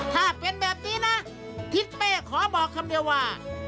ถ้าเป็นแบบนี้นะทิศเป้ขอบอกคำเดียวว่า